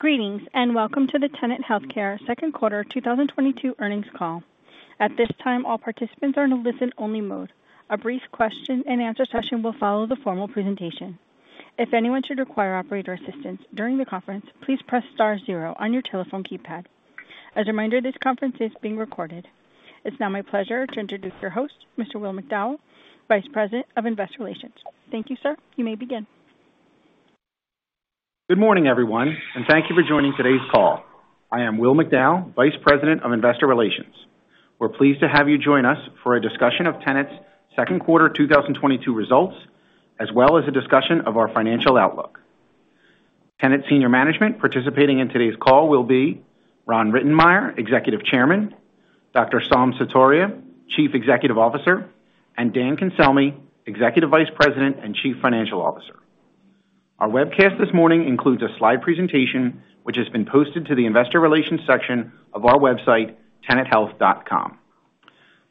Greetings, and welcome to the Tenet Healthcare second quarter 2022 earnings call. At this time, all participants are in listen-only mode. A brief question-and-answer session will follow the formal presentation. If anyone should require operator assistance during the conference, please press star zero on your telephone keypad. As a reminder, this conference is being recorded. It's now my pleasure to introduce your host, Mr. Will McDowell, Vice President of Investor Relations. Thank you, sir. You may begin. Good morning, everyone, and thank you for joining today's call. I am Will McDowell, Vice President of Investor Relations. We're pleased to have you join us for a discussion of Tenet's second quarter 2022 results, as well as a discussion of our financial outlook. Tenet senior management participating in today's call will be Ron Rittenmeyer, Executive Chairman, Dr. Saum Sutaria, Chief Executive Officer, and Dan Cancelmi, Executive Vice President and Chief Financial Officer. Our webcast this morning includes a slide presentation which has been posted to the investor relations section of our website, tenethealth.com.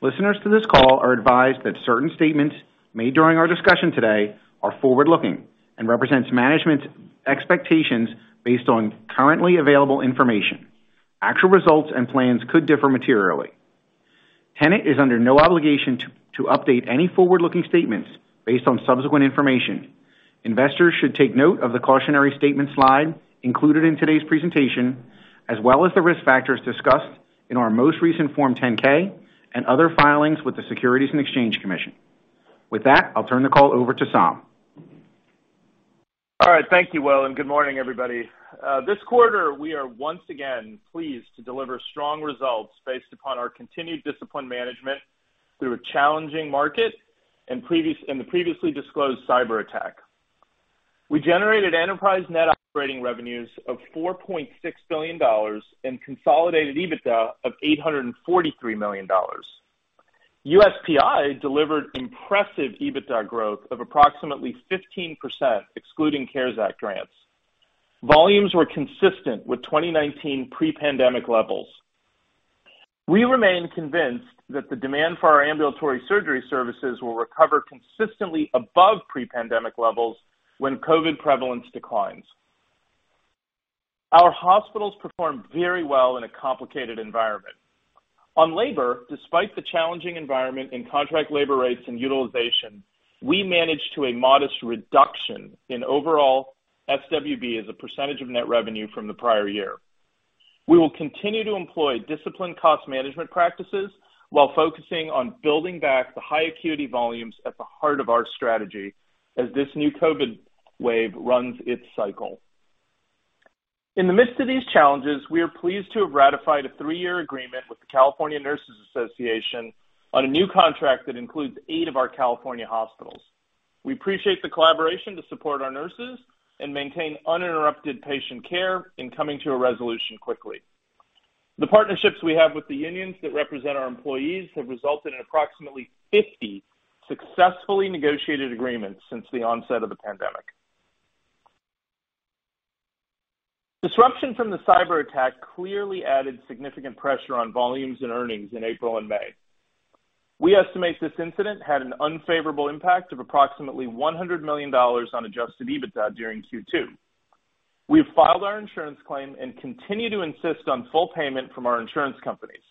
Listeners to this call are advised that certain statements made during our discussion today are forward-looking and represents management's expectations based on currently available information. Actual results and plans could differ materially. Tenet is under no obligation to update any forward-looking statements based on subsequent information. Investors should take note of the cautionary statement slide included in today's presentation, as well as the risk factors discussed in our most recent Form 10-K and other filings with the Securities and Exchange Commission. With that, I'll turn the call over to Saum Sutaria. All right. Thank you, Will, and good morning, everybody. This quarter, we are once again pleased to deliver strong results based upon our continued disciplined management through a challenging market and the previously disclosed cyber attack. We generated enterprise net operating revenues of $4.6 billion and consolidated EBITDA of $843 million. USPI delivered impressive EBITDA growth of approximately 15%, excluding CARES Act grants. Volumes were consistent with 2019 pre-pandemic levels. We remain convinced that the demand for our ambulatory surgery services will recover consistently above pre-pandemic levels when COVID prevalence declines. Our hospitals performed very well in a complicated environment. On labor, despite the challenging environment in contract labor rates and utilization, we managed to a modest reduction in overall SWB as a percentage of net revenue from the prior year. We will continue to employ disciplined cost management practices while focusing on building back the high acuity volumes at the heart of our strategy as this new COVID wave runs its cycle. In the midst of these challenges, we are pleased to have ratified a 3-year agreement with the California Nurses Association on a new contract that includes 8 of our California hospitals. We appreciate the collaboration to support our nurses and maintain uninterrupted patient care in coming to a resolution quickly. The partnerships we have with the unions that represent our employees have resulted in approximately 50 successfully negotiated agreements since the onset of the pandemic. Disruption from the cyber attack clearly added significant pressure on volumes and earnings in April and May. We estimate this incident had an unfavorable impact of approximately $100 million on adjusted EBITDA during Q2. We have filed our insurance claim and continue to insist on full payment from our insurance companies.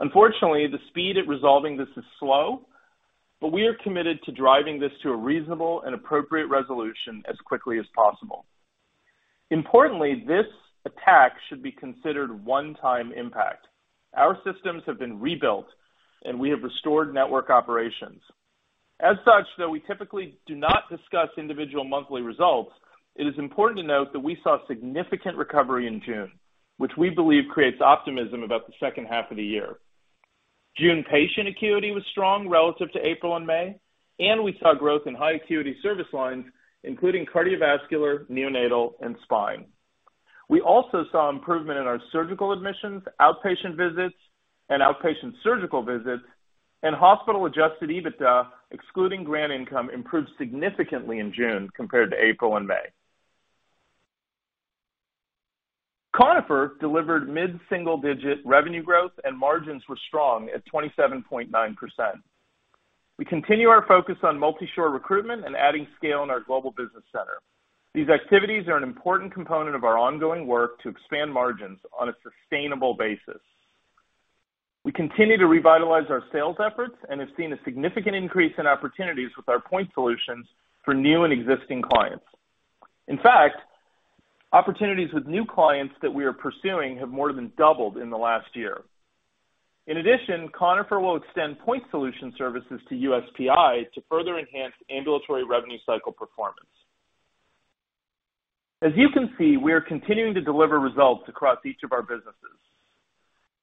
Unfortunately, the speed at resolving this is slow, but we are committed to driving this to a reasonable and appropriate resolution as quickly as possible. Importantly, this attack should be considered one-time impact. Our systems have been rebuilt, and we have restored network operations. As such, though we typically do not discuss individual monthly results, it is important to note that we saw significant recovery in June, which we believe creates optimism about the second half of the year. June patient acuity was strong relative to April and May, and we saw growth in high acuity service lines, including cardiovascular, neonatal, and spine. We also saw improvement in our surgical admissions, outpatient visits, and outpatient surgical visits, and hospital-adjusted EBITDA, excluding grant income, improved significantly in June compared to April and May. Conifer delivered mid-single-digit revenue growth, and margins were strong at 27.9%. We continue our focus on multi-shore recruitment and adding scale in our global business center. These activities are an important component of our ongoing work to expand margins on a sustainable basis. We continue to revitalize our sales efforts and have seen a significant increase in opportunities with our point solutions for new and existing clients. In fact, opportunities with new clients that we are pursuing have more than doubled in the last year. In addition, Conifer will extend point solution services to USPI to further enhance ambulatory revenue cycle performance. As you can see, we are continuing to deliver results across each of our businesses.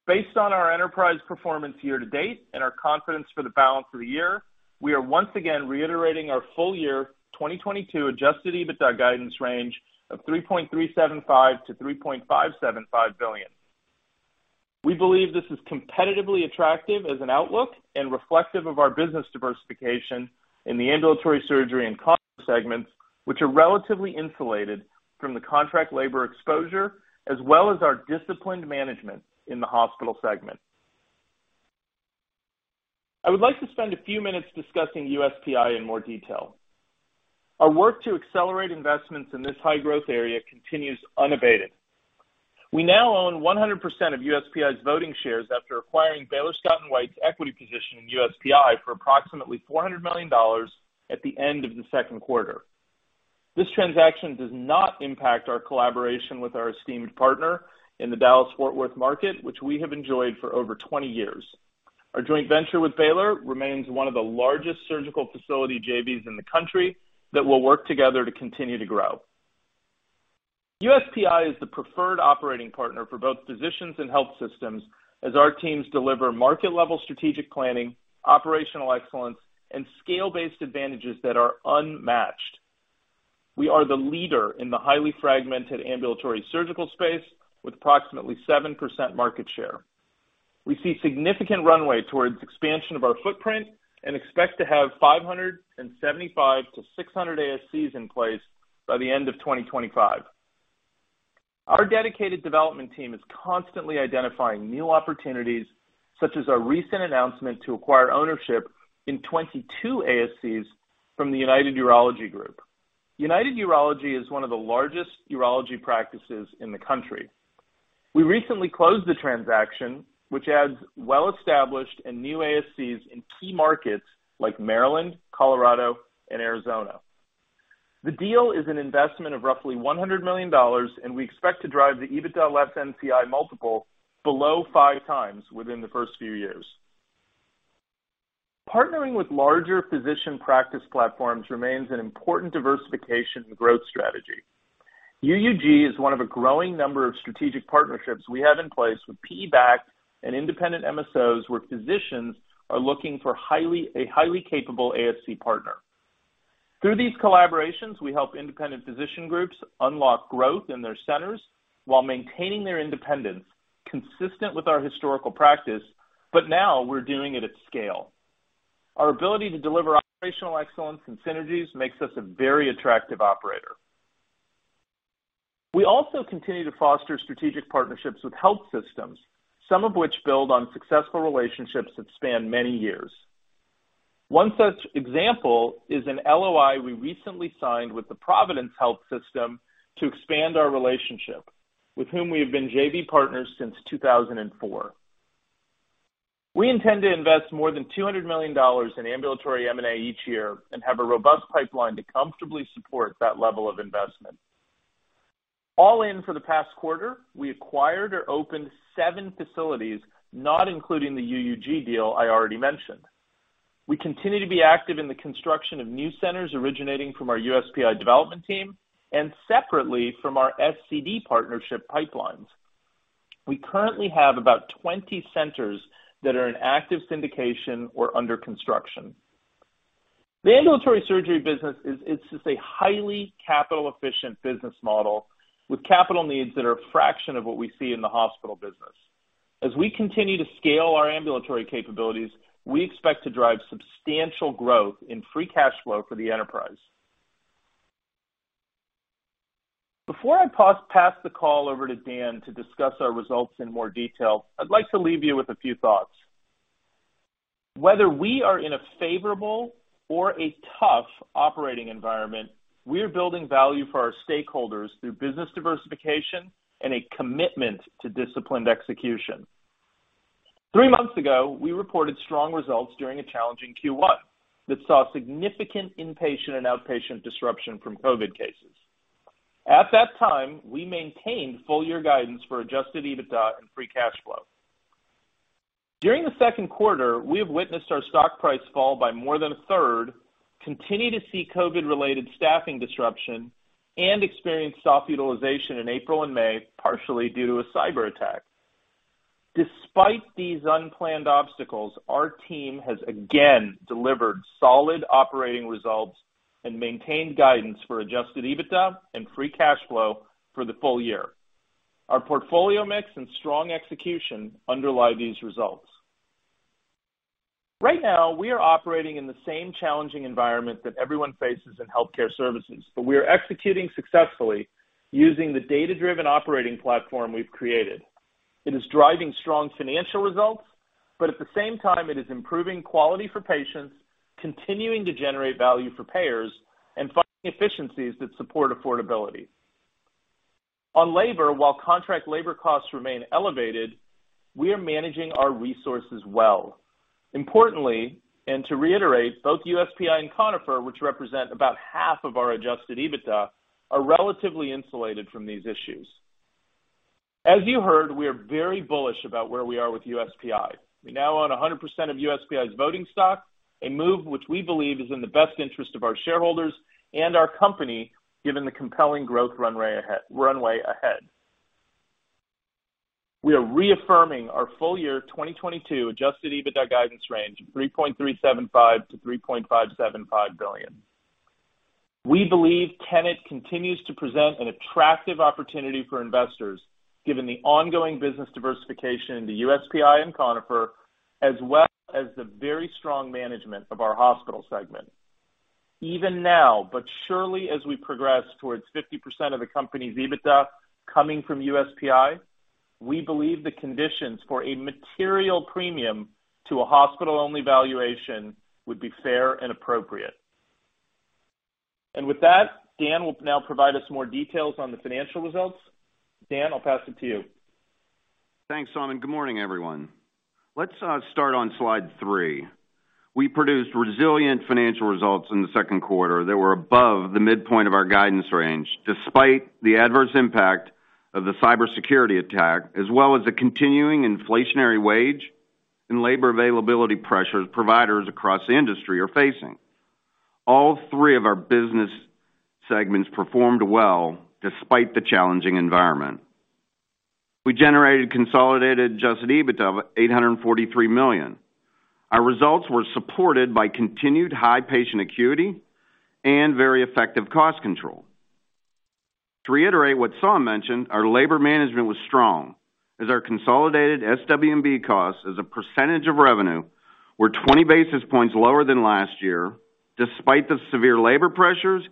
Based on our enterprise performance year to date and our confidence for the balance of the year, we are once again reiterating our full year 2022 adjusted EBITDA guidance range of $3.375 billion-$3.575 billion. We believe this is competitively attractive as an outlook and reflective of our business diversification in the ambulatory surgery and comp segments, which are relatively insulated from the contract labor exposure as well as our disciplined management in the hospital segment. I would like to spend a few minutes discussing USPI in more detail. Our work to accelerate investments in this high-growth area continues unabated. We now own 100% of USPI's voting shares after acquiring Baylor Scott & White's equity position in USPI for approximately $400 million at the end of the second quarter. This transaction does not impact our collaboration with our esteemed partner in the Dallas-Fort Worth market, which we have enjoyed for over 20 years. Our joint venture with Baylor remains one of the largest surgical facility JVs in the country that will work together to continue to grow. USPI is the preferred operating partner for both physicians and health systems as our teams deliver market-level strategic planning, operational excellence, and scale-based advantages that are unmatched. We are the leader in the highly fragmented ambulatory surgical space with approximately 7% market share. We see significant runway towards expansion of our footprint and expect to have 575-600 ASCs in place by the end of 2025. Our dedicated development team is constantly identifying new opportunities, such as our recent announcement to acquire ownership in 22 ASCs from the United Urology Group. United Urology is one of the largest urology practices in the country. We recently closed the transaction, which adds well-established and new ASCs in key markets like Maryland, Colorado, and Arizona. The deal is an investment of roughly $100 million, and we expect to drive the EBITDA less NCI multiple below 5x within the first few years. Partnering with larger physician practice platforms remains an important diversification growth strategy. UUG is one of a growing number of strategic partnerships we have in place with PE-backed and independent MSOs, where physicians are looking for a highly capable ASC partner. Through these collaborations, we help independent physician groups unlock growth in their centers while maintaining their independence, consistent with our historical practice, but now we're doing it at scale. Our ability to deliver operational excellence and synergies makes us a very attractive operator. We also continue to foster strategic partnerships with health systems, some of which build on successful relationships that span many years. One such example is an LOI we recently signed with Providence to expand our relationship, with whom we have been JV partners since 2004. We intend to invest more than $200 million in ambulatory M&A each year and have a robust pipeline to comfortably support that level of investment. All in for the past quarter, we acquired or opened seven facilities, not including the United Urology Group deal I already mentioned. We continue to be active in the construction of new centers originating from our USPI development team and separately from our SCD partnership pipelines. We currently have about 20 centers that are in active syndication or under construction. The ambulatory surgery business is just a highly capital-efficient business model with capital needs that are a fraction of what we see in the hospital business. As we continue to scale our ambulatory capabilities, we expect to drive substantial growth in free cash flow for the enterprise. Before I pass the call over to Dan to discuss our results in more detail, I'd like to leave you with a few thoughts. Whether we are in a favorable or a tough operating environment, we are building value for our stakeholders through business diversification and a commitment to disciplined execution. Three months ago, we reported strong results during a challenging Q1 that saw significant inpatient and outpatient disruption from COVID cases. At that time, we maintained full-year guidance for adjusted EBITDA and free cash flow. During the second quarter, we have witnessed our stock price fall by more than a third, continue to see COVID-related staffing disruption, and experienced soft utilization in April and May, partially due to a cyberattack. Despite these unplanned obstacles, our team has again delivered solid operating results and maintained guidance for adjusted EBITDA and free cash flow for the full year. Our portfolio mix and strong execution underlie these results. Right now, we are operating in the same challenging environment that everyone faces in healthcare services, but we are executing successfully using the data-driven operating platform we've created. It is driving strong financial results, but at the same time, it is improving quality for patients, continuing to generate value for payers, and finding efficiencies that support affordability. On labor, while contract labor costs remain elevated, we are managing our resources well. Importantly, and to reiterate, both USPI and Conifer, which represent about half of our adjusted EBITDA, are relatively insulated from these issues. As you heard, we are very bullish about where we are with USPI. We now own 100% of USPI's voting stock, a move which we believe is in the best interest of our shareholders and our company, given the compelling growth runway ahead. We are reaffirming our full-year 2022 adjusted EBITDA guidance range, $3.375 billion-$3.575 billion. We believe Tenet continues to present an attractive opportunity for investors, given the ongoing business diversification into USPI and Conifer, as well as the very strong management of our hospital segment. Even now, but surely as we progress towards 50% of the company's EBITDA coming from USPI, we believe the conditions for a material premium to a hospital-only valuation would be fair and appropriate. With that, Dan will now provide us more details on the financial results. Dan, I'll pass it to you. Thanks, Saum. Good morning, everyone. Let's start on slide three. We produced resilient financial results in the second quarter that were above the midpoint of our guidance range, despite the adverse impact of the cybersecurity attack, as well as the continuing inflationary wage and labor availability pressures providers across the industry are facing. All three of our business segments performed well despite the challenging environment. We generated consolidated adjusted EBITDA of $843 million. Our results were supported by continued high patient acuity and very effective cost control. To reiterate what Saum mentioned, our labor management was strong as our consolidated SWB costs as a percentage of revenue were 20 basis points lower than last year, despite the severe labor pressures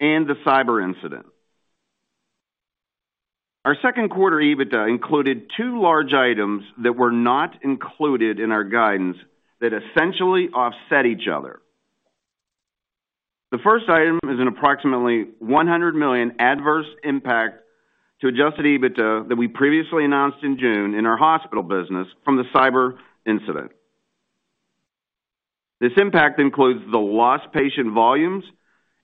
and the cyber incident. Our second quarter EBITDA included two large items that were not included in our guidance that essentially offset each other. The first item is an approximately $100 million adverse impact to adjusted EBITDA that we previously announced in June in our hospital business from the cyber incident. This impact includes the lost patient volumes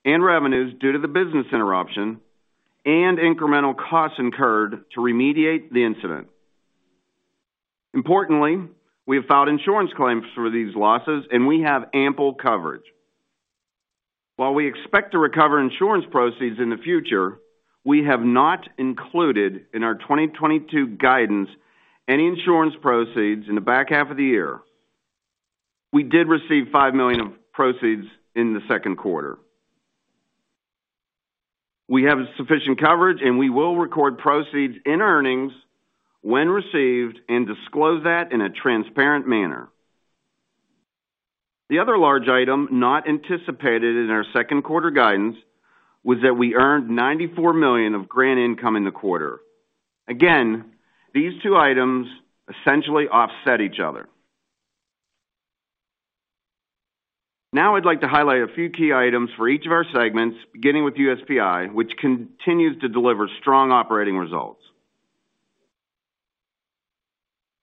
and revenues due to the business interruption and incremental costs incurred to remediate the incident. Importantly, we have filed insurance claims for these losses, and we have ample coverage. While we expect to recover insurance proceeds in the future, we have not included in our 2022 guidance any insurance proceeds in the back half of the year. We did receive $5 million of proceeds in the second quarter. We have sufficient coverage, and we will record proceeds in earnings when received and disclose that in a transparent manner. The other large item not anticipated in our second quarter guidance was that we earned $94 million of grant income in the quarter. Again, these two items essentially offset each other. Now I'd like to highlight a few key items for each of our segments, beginning with USPI, which continues to deliver strong operating results.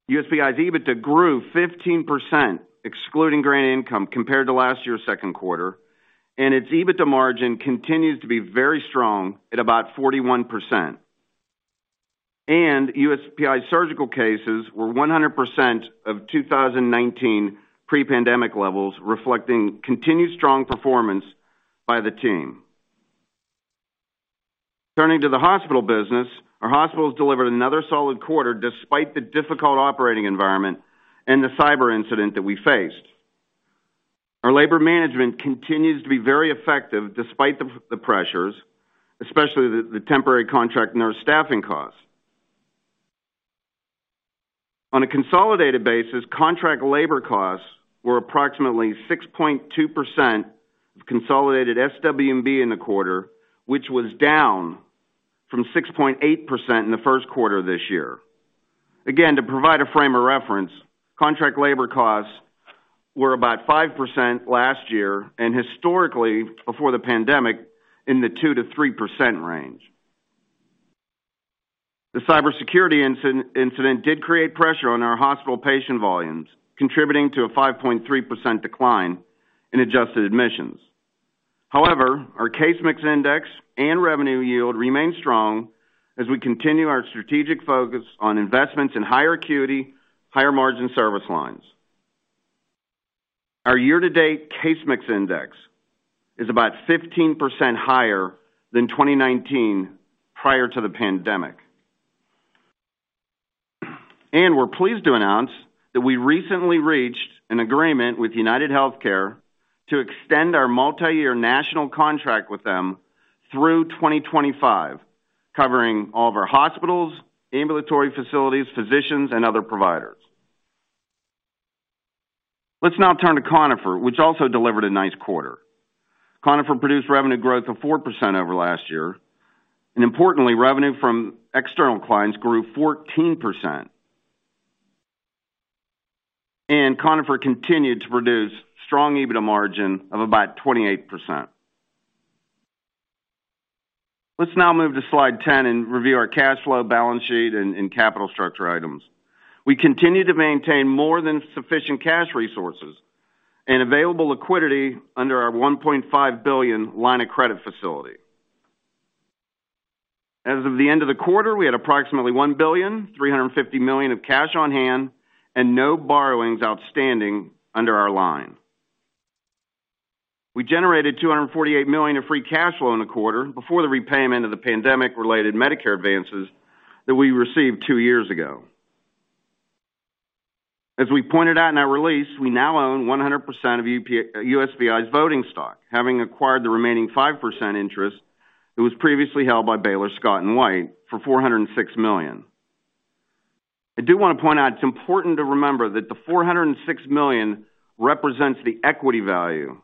USPI's EBITDA grew 15%, excluding grant income, compared to last year's second quarter, and its EBITDA margin continues to be very strong at about 41%. USPI's surgical cases were 100% of 2019 pre-pandemic levels, reflecting continued strong performance by the team. Turning to the hospital business, our hospitals delivered another solid quarter despite the difficult operating environment and the cyber incident that we faced. Our labor management continues to be very effective despite the pressures, especially the temporary contract nurse staffing costs. On a consolidated basis, contract labor costs were approximately 6.2% of consolidated SWB in the quarter, which was down from 6.8% in the first quarter this year. Again, to provide a frame of reference, contract labor costs were about 5% last year, and historically, before the pandemic, in the 2%-3% range. The cybersecurity incident did create pressure on our hospital patient volumes, contributing to a 5.3% decline in adjusted admissions. However, our case mix index and revenue yield remain strong as we continue our strategic focus on investments in higher acuity, higher margin service lines. Our year-to-date case mix index is about 15% higher than 2019 prior to the pandemic. We're pleased to announce that we recently reached an agreement with UnitedHealthcare to extend our multi-year national contract with them through 2025, covering all of our hospitals, ambulatory facilities, physicians, and other providers. Let's now turn to Conifer, which also delivered a nice quarter. Conifer produced revenue growth of 4% over last year, and importantly, revenue from external clients grew 14%. Conifer continued to produce strong EBITDA margin of about 28%. Let's now move to slide 10 and review our cash flow balance sheet and capital structure items. We continue to maintain more than sufficient cash resources and available liquidity under our $1.5 billion line of credit facility. As of the end of the quarter, we had approximately $1.35 billion of cash on hand and no borrowings outstanding under our line. We generated $248 million of free cash flow in the quarter before the repayment of the pandemic-related Medicare advances that we received two years ago. As we pointed out in our release, we now own 100% of USPI's voting stock, having acquired the remaining 5% interest that was previously held by Baylor Scott & White for $406 million. I do wanna point out, it's important to remember that the $406 million represents the equity value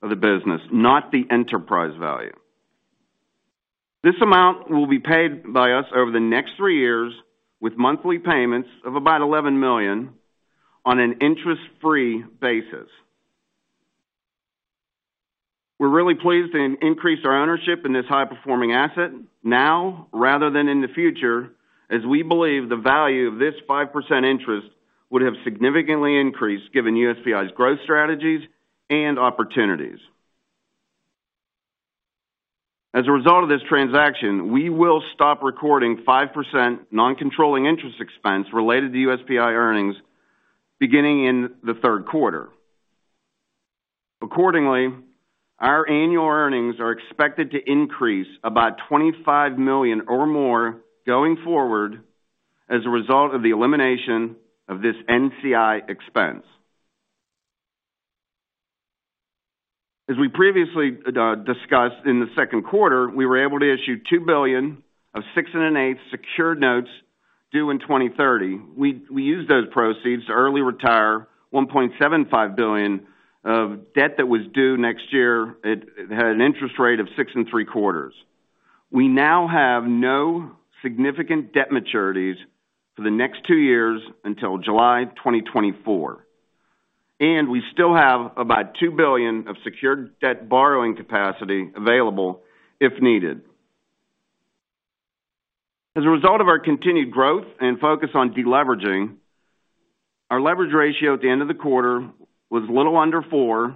of the business, not the enterprise value. This amount will be paid by us over the next three years with monthly payments of about $11 million on an interest-free basis. We're really pleased to increase our ownership in this high-performing asset now rather than in the future, as we believe the value of this 5% interest would have significantly increased, given USPI's growth strategies and opportunities. As a result of this transaction, we will stop recording 5% non-controlling interest expense related to USPI earnings beginning in the third quarter. Accordingly, our annual earnings are expected to increase about $25 million or more going forward as a result of the elimination of this NCI expense. As we previously discussed in the second quarter, we were able to issue $2 billion of 6 1/8 secured notes due in 2030. We used those proceeds to early retire $1.75 billion of debt that was due next year. It had an interest rate of 6 3/4. We now have no significant debt maturities for the next two years until July 2024, and we still have about $2 billion of secured debt borrowing capacity available if needed. As a result of our continued growth and focus on deleveraging, our leverage ratio at the end of the quarter was a little under four,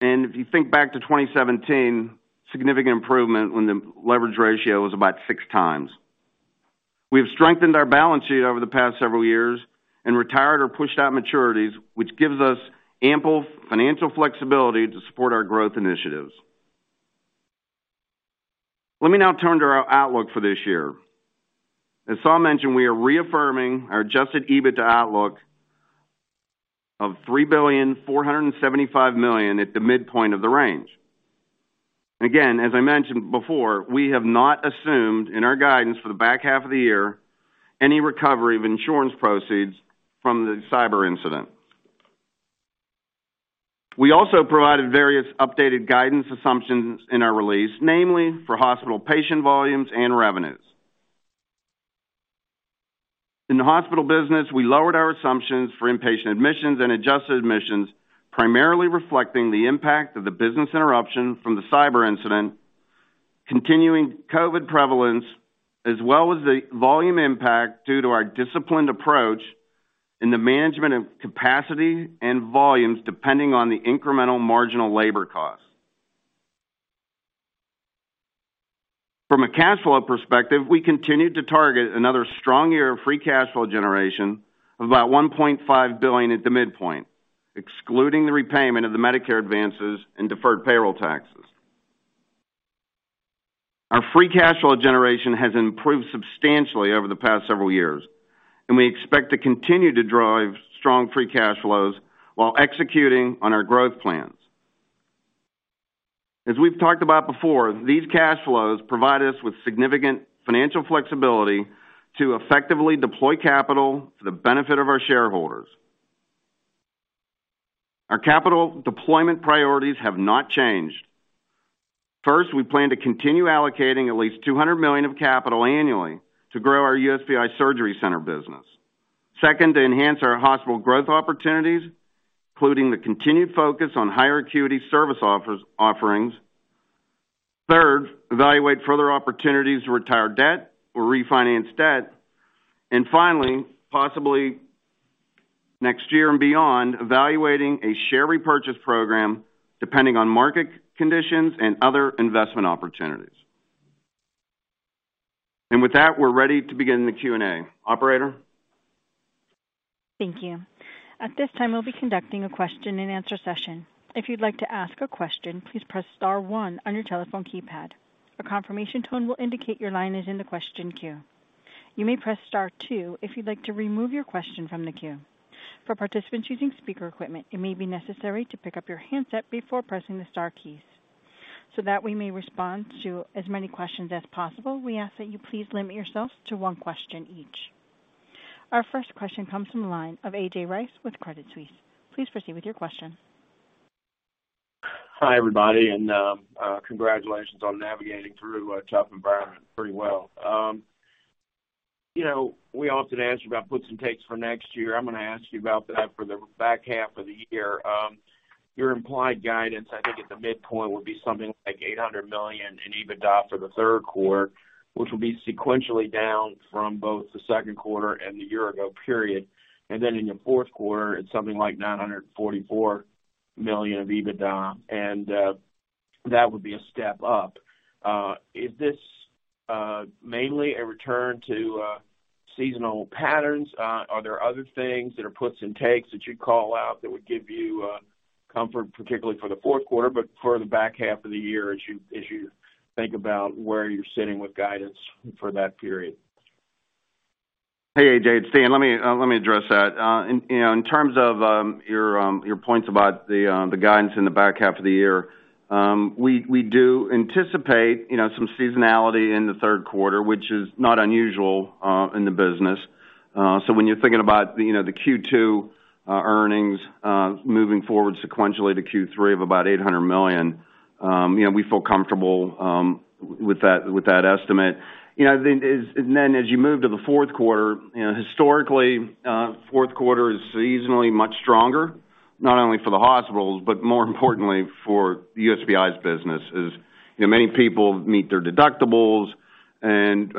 and if you think back to 2017, significant improvement when the leverage ratio was about 6x. We have strengthened our balance sheet over the past several years and retired or pushed out maturities, which gives us ample financial flexibility to support our growth initiatives. Let me now turn to our outlook for this year. As Saum mentioned, we are reaffirming our adjusted EBITDA outlook of $3.475 billion at the midpoint of the range. Again, as I mentioned before, we have not assumed in our guidance for the back half of the year any recovery of insurance proceeds from the cyber incident. We also provided various updated guidance assumptions in our release, namely for hospital patient volumes and revenues. In the hospital business, we lowered our assumptions for inpatient admissions and adjusted admissions, primarily reflecting the impact of the business interruption from the cyber incident, continuing COVID prevalence, as well as the volume impact due to our disciplined approach in the management of capacity and volumes, depending on the incremental marginal labor costs. From a cash flow perspective, we continued to target another strong year of free cash flow generation of about $1.5 billion at the midpoint, excluding the repayment of the Medicare advances and deferred payroll taxes. Our free cash flow generation has improved substantially over the past several years, and we expect to continue to drive strong free cash flows while executing on our growth plans. As we've talked about before, these cash flows provide us with significant financial flexibility to effectively deploy capital to the benefit of our shareholders. Our capital deployment priorities have not changed. First, we plan to continue allocating at least $200 million of capital annually to grow our USPI surgery center business. Second, to enhance our hospital growth opportunities, including the continued focus on higher acuity service offerings. Third, evaluate further opportunities to retire debt or refinance debt. Finally, possibly next year and beyond, evaluating a share repurchase program, depending on market conditions and other investment opportunities. With that, we're ready to begin the Q&A. Operator? Thank you. At this time, we'll be conducting a question-and-answer session. If you'd like to ask a question, please press star one on your telephone keypad. A confirmation tone will indicate your line is in the question queue. You may press star two if you'd like to remove your question from the queue. For participants using speaker equipment, it may be necessary to pick up your handset before pressing the star keys. So that we may respond to as many questions as possible, we ask that you please limit yourselves to one question each. Our first question comes from the line of A.J. Rice with Credit Suisse. Please proceed with your question. Hi, everybody, and congratulations on navigating through a tough environment pretty well. You know, we often ask about puts and takes for next year. I'm gonna ask you about that for the back half of the year. Your implied guidance, I think at the midpoint, would be something like $800 million in EBITDA for the third quarter, which will be sequentially down from both the second quarter and the year-ago period. In your fourth quarter, it's something like $944 million of EBITDA, and that would be a step up. Is this mainly a return to seasonal patterns? Are there other things that are puts and takes that you'd call out that would give you comfort, particularly for the fourth quarter, but for the back half of the year as you think about where you're sitting with guidance for that period? Hey, A.J., it's Dan. Let me address that. In, you know, in terms of your points about the guidance in the back half of the year, we do anticipate, you know, some seasonality in the third quarter, which is not unusual in the business. When you're thinking about, you know, the Q2 earnings moving forward sequentially to Q3 of about $800 million, you know, we feel comfortable with that estimate. You know, then as you move to the fourth quarter, you know, historically, fourth quarter is seasonally much stronger, not only for the hospitals, but more importantly for USPI's business, you know, many people meet their deductibles and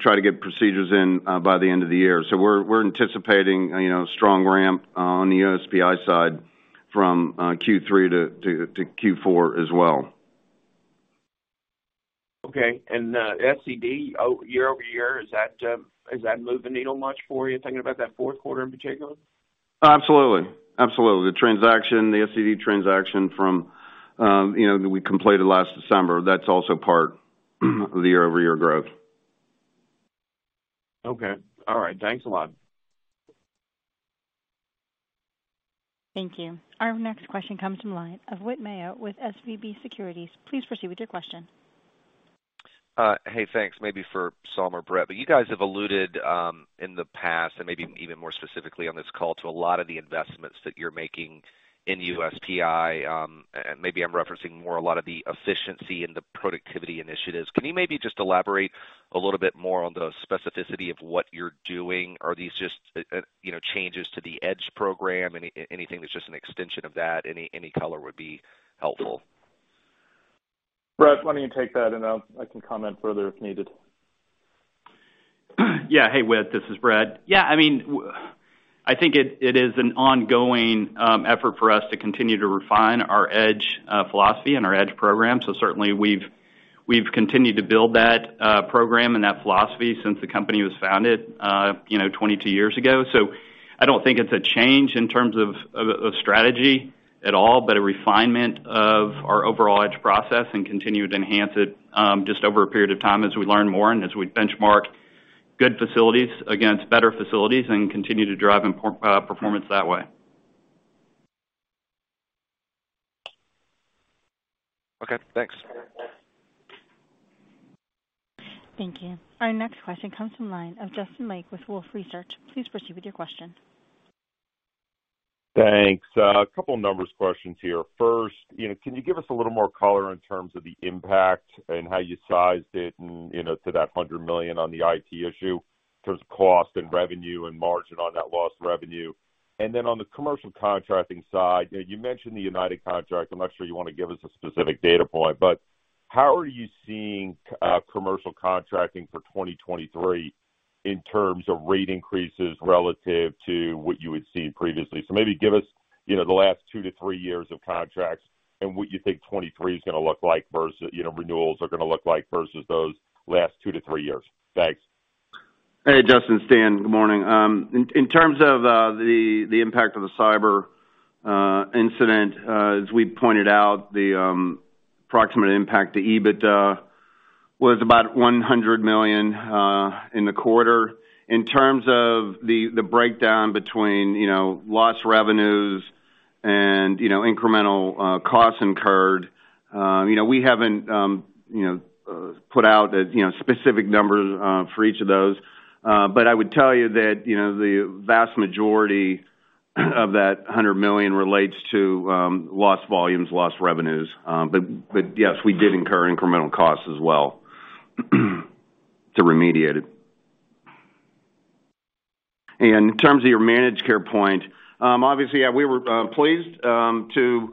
try to get procedures in by the end of the year. We're anticipating, you know, strong ramp on the USPI side from Q3 to Q4 as well. Okay. SED year-over-year, is that moving the needle much for you, thinking about that fourth quarter in particular? Absolutely. The transaction, the SCD transaction from, you know, that we completed last December, that's also part of the year-over-year growth. Okay. All right. Thanks a lot. Thank you. Our next question comes from the line of Whit Mayo with SVB Securities. Please proceed with your question. Hey, thanks. Maybe for Saum Sutaria or Brett Brodnax, but you guys have alluded in the past and maybe even more specifically on this call to a lot of the investments that you're making in USPI. Maybe I'm referencing more a lot of the efficiency and the productivity initiatives. Can you maybe just elaborate a little bit more on the specificity of what you're doing? Are these just you know changes to the Edge program? Anything that's just an extension of that? Any color would be helpful. Brett, why don't you take that, and I can comment further if needed. Yeah. Hey, Whit, this is Brett. Yeah, I mean, I think it is an ongoing effort for us to continue to refine our Edge philosophy and our Edge program. Certainly we've continued to build that program and that philosophy since the company was founded, you know, 22 years ago. I don't think it's a change in terms of strategy at all, but a refinement of our overall Edge process and continue to enhance it, just over a period of time as we learn more and as we benchmark good facilities against better facilities and continue to drive performance that way. Okay, thanks. Thank you. Our next question comes from the line of Justin Lake with Wolfe Research. Please proceed with your question. Thanks. A couple numbers questions here. First, you know, can you give us a little more color in terms of the impact and how you sized it and, you know, to that $100 million on the IT issue in terms of cost and revenue and margin on that lost revenue? And then on the commercial contracting side, you know, you mentioned the United contract. I'm not sure you wanna give us a specific data point, but how are you seeing commercial contracting for 2023 in terms of rate increases relative to what you had seen previously? So maybe give us, you know, the last 2-3 years of contracts and what you think 2023 is gonna look like versus, you know, renewals are gonna look like versus those last 2-3 years. Thanks. Hey, Justin, Dan, good morning. In terms of the impact of the cyber incident, as we pointed out, the approximate impact to EBITDA was about $100 million in the quarter. In terms of the breakdown between, you know, lost revenues and, you know, incremental costs incurred, you know, we haven't, you know, put out the, you know, specific numbers for each of those. I would tell you that, you know, the vast majority of that $100 million relates to lost volumes, lost revenues. Yes, we did incur incremental costs as well to remediate it. In terms of your managed care point, obviously, yeah, we were pleased to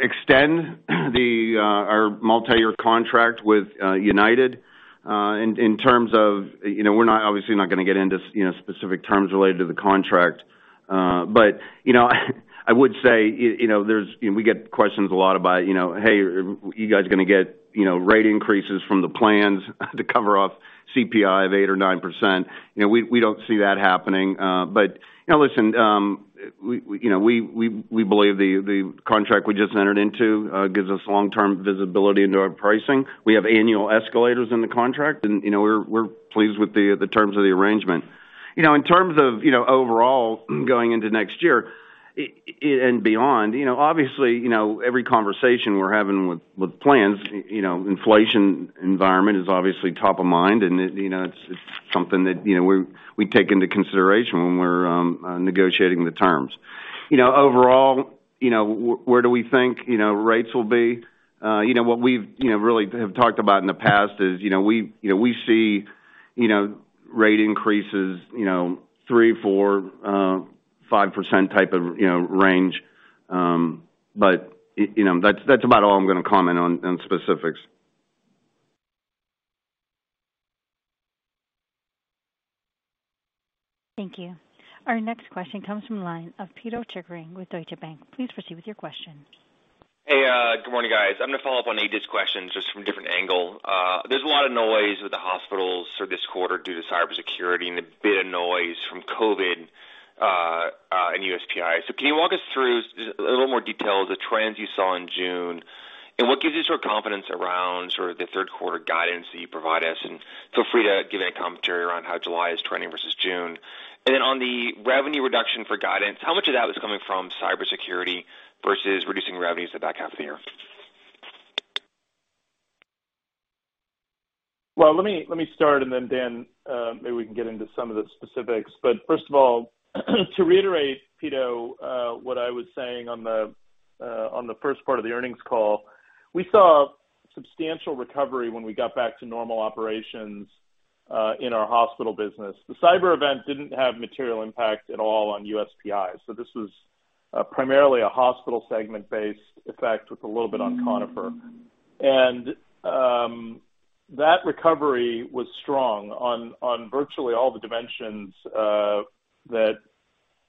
extend our multiyear contract with United, in terms of, you know, we're not obviously not gonna get into you know, specific terms related to the contract. But, you know, I would say, you know, there's, you know, we get questions a lot about, you know, "Hey, are you guys gonna get, you know, rate increases from the plans to cover off CPI of 8% or 9%?" You know, we don't see that happening. But, you know, listen, we believe the contract we just entered into gives us long-term visibility into our pricing. We have annual escalators in the contract and, you know, we're pleased with the terms of the arrangement. You know, in terms of, you know, overall going into next year and beyond, you know, obviously, you know, every conversation we're having with plans, you know, inflation environment is obviously top of mind, and, you know, it's something that, you know, we take into consideration when we're negotiating the terms. You know, overall, you know, where do we think, you know, rates will be? You know, what we've really have talked about in the past is, you know, we see, you know, rate increases, you know, 3%-5% type of, you know, range. But you know, that's about all I'm gonna comment on specifics. Thank you. Our next question comes from line of Pito Chickering with Deutsche Bank. Please proceed with your question. Hey, good morning, guys. I'm gonna follow up on A.J's question just from a different angle. There's a lot of noise with the hospitals for this quarter due to cybersecurity and a bit of noise from COVID, and USPI. Can you walk us through a little more detail the trends you saw in June? What gives you sort of confidence around sort of the third quarter guidance that you provide us? Feel free to give any commentary around how July is trending versus June. On the revenue reduction for guidance, how much of that was coming from cybersecurity versus reducing revenues the back half of the year? Let me start, and then Dan, maybe we can get into some of the specifics. First of all, to reiterate, Pito, what I was saying on the first part of the earnings call, we saw substantial recovery when we got back to normal operations in our hospital business. The cyber event didn't have material impact at all on USPI. This was primarily a hospital segment-based effect with a little bit on Conifer. That recovery was strong on virtually all the dimensions that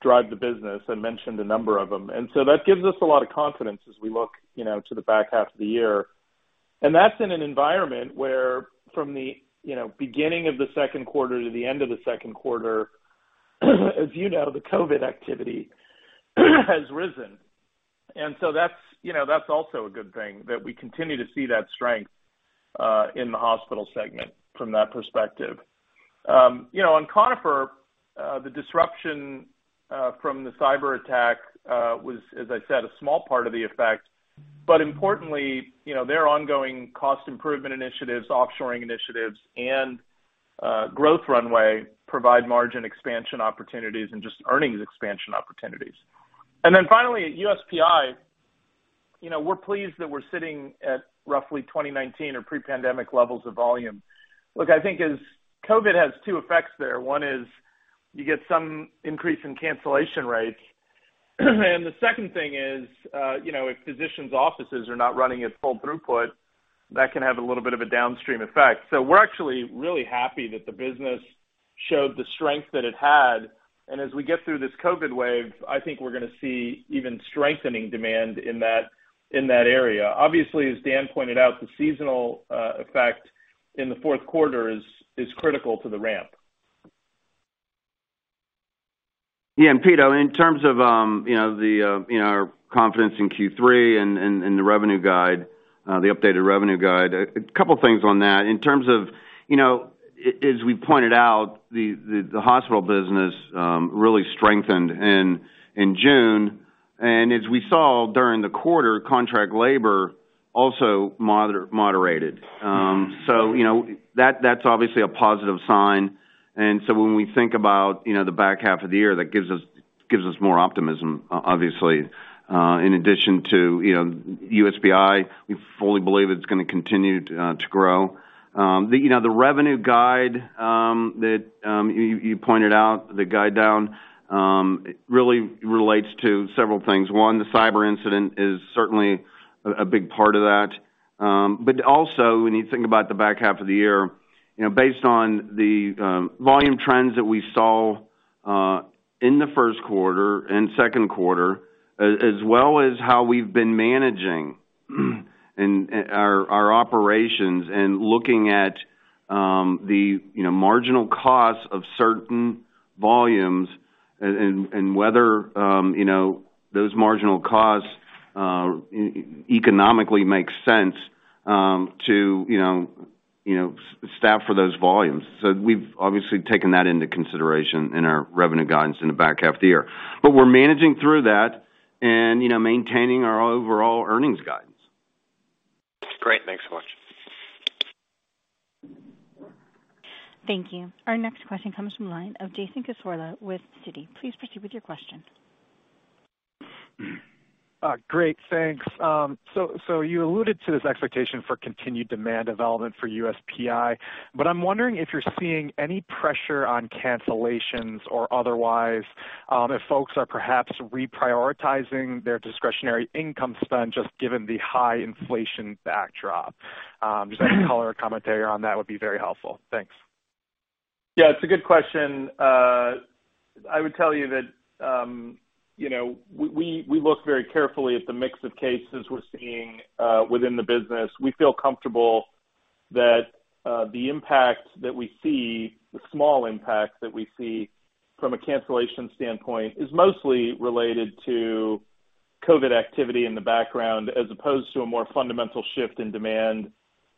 drive the business. I mentioned a number of them. That gives us a lot of confidence as we look, you know, to the back half of the year. That's in an environment where from the beginning of the second quarter to the end of the second quarter, as you know, the COVID activity has risen. That's, you know, that's also a good thing that we continue to see that strength in the hospital segment from that perspective. You know, on Conifer, the disruption from the cyberattack was, as I said, a small part of the effect. Importantly, you know, their ongoing cost improvement initiatives, offshoring initiatives, and growth runway provide margin expansion opportunities and just earnings expansion opportunities. Then finally, at USPI, you know, we're pleased that we're sitting at roughly 2019 or pre-pandemic levels of volume. Look, I think is COVID has two effects there. One is you get some increase in cancellation rates. The second thing is, you know, if physicians offices are not running at full throughput, that can have a little bit of a downstream effect. We're actually really happy that the business showed the strength that it had. As we get through this COVID wave, I think we're gonna see even strengthening demand in that, in that area. Obviously, as Dan pointed out, the seasonal effect in the fourth quarter is critical to the ramp. Yeah. Pito Chickering, in terms of you know our confidence in Q3 and the revenue guide, the updated revenue guide, a couple things on that. In terms of you know as we pointed out the hospital business really strengthened in June. As we saw during the quarter, contract labor also moderated. You know, that's obviously a positive sign. When we think about you know the back half of the year, that gives us more optimism obviously. In addition to you know USPI, we fully believe it's gonna continue to grow. You know the revenue guide that you pointed out, the guide down really relates to several things. One, the cyber incident is certainly a big part of that. When you think about the back half of the year, you know, based on the volume trends that we saw in the first quarter and second quarter, as well as how we've been managing and our operations and looking at the, you know, marginal costs of certain volumes and whether those marginal costs economically make sense, you know, to staff for those volumes. We've obviously taken that into consideration in our revenue guidance in the back half of the year. We're managing through that and, you know, maintaining our overall earnings guidance. Great. Thanks so much. Thank you. Our next question comes from line of Jason Cassorla with Citi. Please proceed with your question. Great. Thanks. You alluded to this expectation for continued demand development for USPI, but I'm wondering if you're seeing any pressure on cancellations or otherwise, if folks are perhaps reprioritizing their discretionary income spend, just given the high inflation backdrop. Just any color or commentary on that would be very helpful. Thanks. Yeah, it's a good question. I would tell you that, you know, we look very carefully at the mix of cases we're seeing within the business. We feel comfortable that the impact that we see, the small impact that we see from a cancellation standpoint is mostly related to COVID activity in the background, as opposed to a more fundamental shift in demand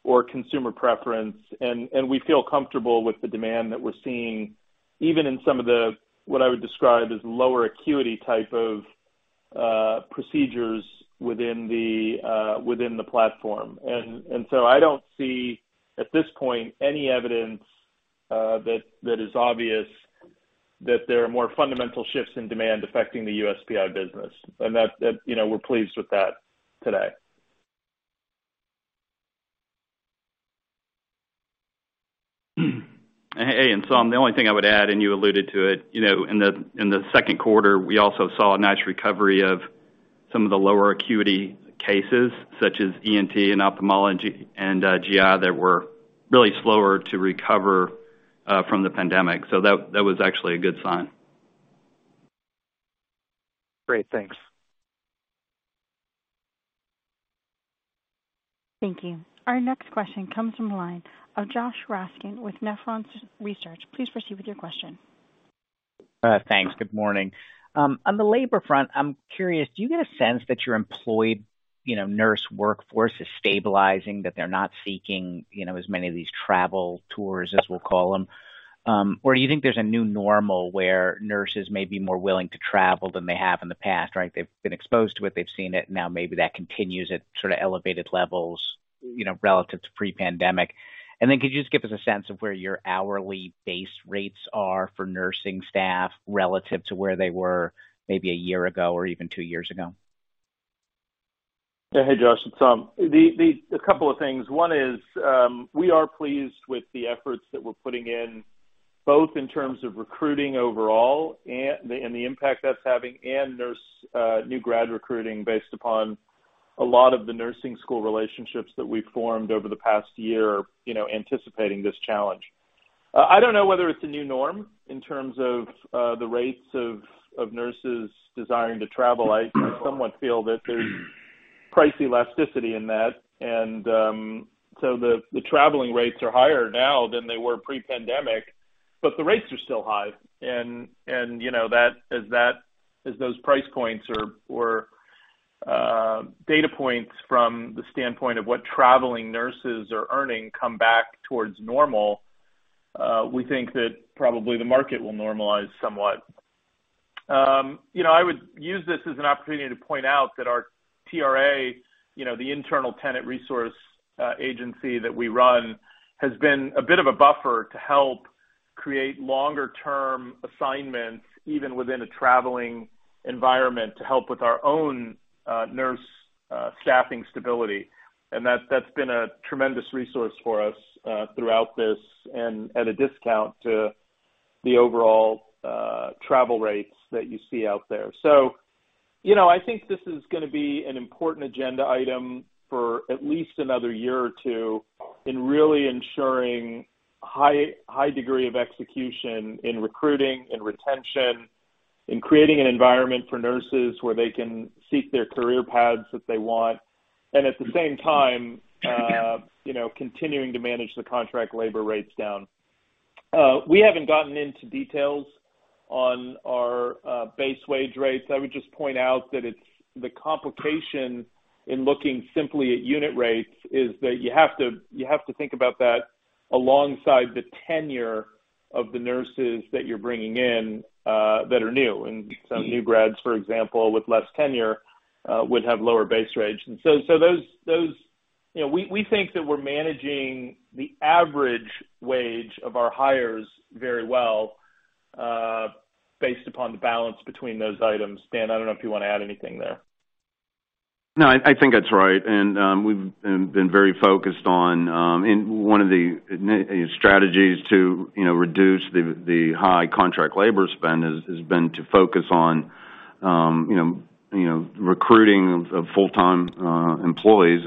or consumer preference. We feel comfortable with the demand that we're seeing, even in some of the what I would describe as lower acuity type of procedures within the platform. So I don't see, at this point, any evidence that is obvious that there are more fundamental shifts in demand affecting the USPI business. That you know, we're pleased with that today. The only thing I would add, and you alluded to it, you know, in the second quarter, we also saw a nice recovery of some of the lower acuity cases, such as ENT and ophthalmology and GI, that were really slower to recover from the pandemic. That was actually a good sign. Great. Thanks. Thank you. Our next question comes from the line of Josh Raskin with Nephron Research. Please proceed with your question. Thanks. Good morning. On the labor front, I'm curious, do you get a sense that your employed, you know, nurse workforce is stabilizing, that they're not seeking, you know, as many of these travel tours as we'll call them? Do you think there's a new normal where nurses may be more willing to travel than they have in the past, right? They've been exposed to it, they've seen it, now maybe that continues at sort of elevated levels, you know, relative to pre-pandemic. Could you just give us a sense of where your hourly base rates are for nursing staff relative to where they were maybe a year ago or even two years ago? Yeah. Hey, Josh, it's Saum Sutaria. A couple of things. One is, we are pleased with the efforts that we're putting in, both in terms of recruiting overall and the impact that's having and nurse new grad recruiting based upon a lot of the nursing school relationships that we've formed over the past year, you know, anticipating this challenge. I don't know whether it's a new norm in terms of the rates of nurses desiring to travel. I somewhat feel that there's price elasticity in that. So the traveling rates are higher now than they were pre-pandemic, but the rates are still high. You know, as those price points or data points from the standpoint of what traveling nurses are earning come back towards normal, we think that probably the market will normalize somewhat. You know, I would use this as an opportunity to point out that our TRA, the internal Tenet Resource agency that we run, has been a bit of a buffer to help create longer term assignments, even within a traveling environment, to help with our own nurse staffing stability. That's been a tremendous resource for us throughout this and at a discount to the overall travel rates that you see out there. You know, I think this is gonna be an important agenda item for at least another year or two in really ensuring high degree of execution in recruiting, in retention, in creating an environment for nurses where they can seek their career paths if they want, and at the same time, you know, continuing to manage the contract labor rates down. We haven't gotten into details on our base wage rates. I would just point out that it's the complication in looking simply at unit rates is that you have to think about that alongside the tenure of the nurses that you're bringing in, that are new. Some new grads, for example, with less tenure, would have lower base rates. Those. You know, we think that we're managing the average wage of our hires very well, based upon the balance between those items. Dan, I don't know if you wanna add anything there. No, I think that's right. We've been very focused on one of the strategies to, you know, reduce the high contract labor spend, which has been to focus on, you know, recruiting of full-time employees.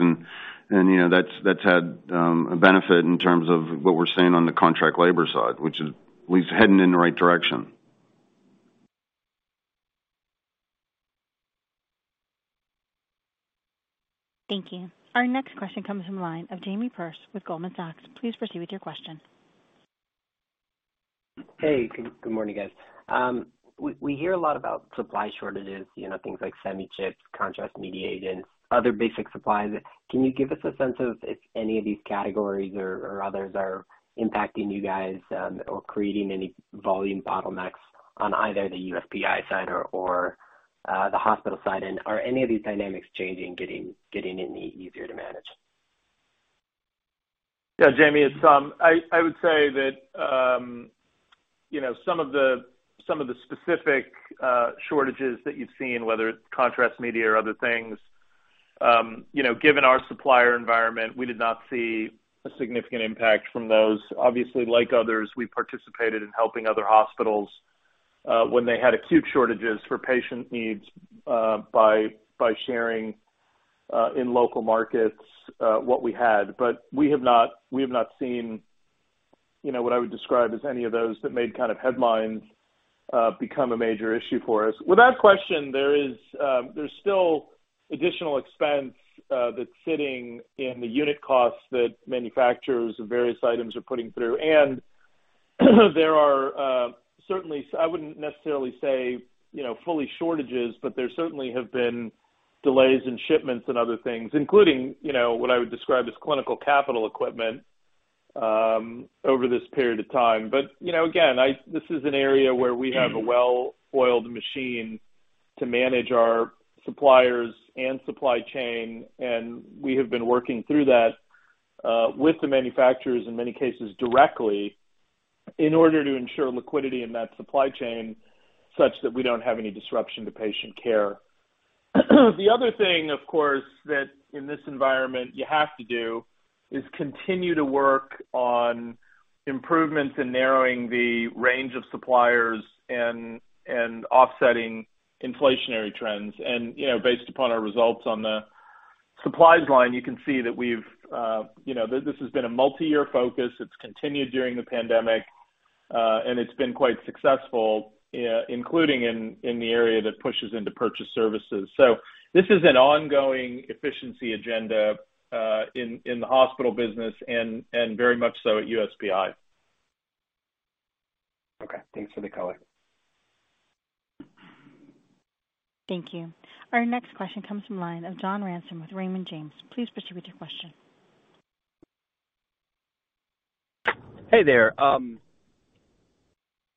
You know, that's had a benefit in terms of what we're seeing on the contract labor side, which is at least heading in the right direction. Thank you. Our next question comes from the line of Jamie Perse with Goldman Sachs. Please proceed with your question. Hey, good morning, guys. We hear a lot about supply shortages, you know, things like semi chips, contrast media agents, other basic supplies. Can you give us a sense of if any of these categories or others are impacting you guys or creating any volume bottlenecks on either the USPI side or the hospital side? Are any of these dynamics changing, getting any easier to manage? Yeah, Jamie, it's Saum Sutaria. I would say that, you know, some of the specific shortages that you've seen, whether it's contrast media or other things, you know, given our supplier environment, we did not see a significant impact from those. Obviously, like others, we participated in helping other hospitals when they had acute shortages for patient needs by sharing in local markets what we had. We have not seen, you know, what I would describe as any of those that made kind of headlines become a major issue for us. Without question, there's still additional expense that's sitting in the unit costs that manufacturers of various items are putting through. There are certainly I wouldn't necessarily say, you know, full shortages, but there certainly have been delays in shipments and other things, including, you know, what I would describe as clinical capital equipment over this period of time. You know, again, this is an area where we have a well-oiled machine to manage our suppliers and supply chain, and we have been working through that with the manufacturers in many cases directly in order to ensure liquidity in that supply chain such that we don't have any disruption to patient care. The other thing, of course, that in this environment you have to do is continue to work on improvements in narrowing the range of suppliers and offsetting inflationary trends. You know, based upon our results on the supplies line, you can see that we've, you know, this has been a multi-year focus. It's continued during the pandemic, and it's been quite successful, including in the area that pushes into purchase services. This is an ongoing efficiency agenda, in the hospital business and very much so at USPI. Okay. Thanks for the color. Thank you. Our next question comes from the line of John Ransom with Raymond James. Please proceed with your question. Hey there.